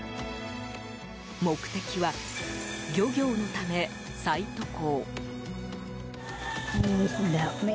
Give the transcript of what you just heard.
目的は漁業のため再渡航。